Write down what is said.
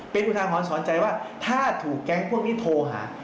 เป็นอุทาหรณ์สอนใจว่าถ้าถูกแก๊งพวกนี้โทรหา